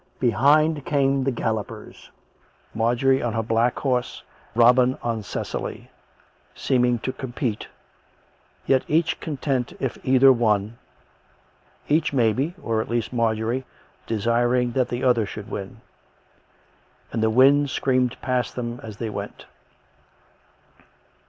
Behind came the gallopers; Marjorie on her black horse, Robin on Cecily, seeming to compete, yet each content if either won, each, maybe — or at least Marjorie — desiring that the other should win. And the wind screamed past them as they went.